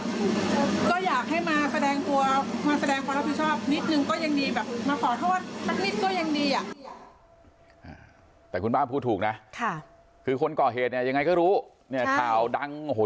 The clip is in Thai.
ก็อยากให้มาแสดงความรับผิดชอบนิดหนึ่งก็ยังดี